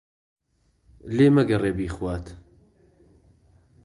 لێ مەگەڕێ بیخوات.